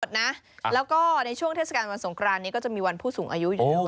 ส่วนนะแล้วก็ในช่วงเทศกลรมสงครานนี้ก็จะมีวันผู้สูงอายุอยู่ตรงนั้นไว้